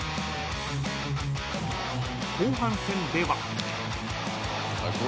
［後半戦では］